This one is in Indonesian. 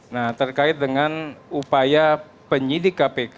nah terkait dengan upaya penyidik kpk